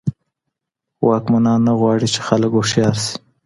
واکمنان نه غواړي چي خلګ هوښیار سي.